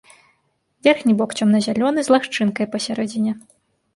Верхні бок цёмна-зялёны, з лагчынкай пасярэдзіне.